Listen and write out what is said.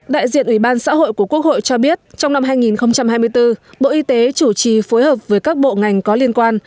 đại diện ủy ban xã hội của quốc hội cho biết trong năm hai nghìn hai mươi bốn bộ y tế chủ trì phối hợp với các bộ ngành có liên quan